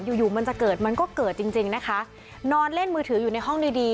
อยู่อยู่มันจะเกิดมันก็เกิดจริงจริงนะคะนอนเล่นมือถืออยู่ในห้องดีดี